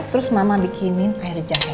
terus mama bikinin air jahe